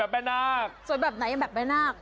แม่สวยไหมแม่น่า